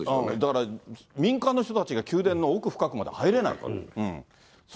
だから民間の人たちが宮殿の奥深くまで入れないから。